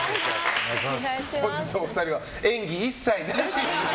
本日お二人は演技一切なしと。